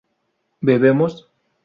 bebemos